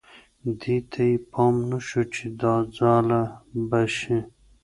دې ته یې پام نه شو چې دا ځاله به شي.